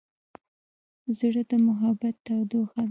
زړه د محبت تودوخه ده.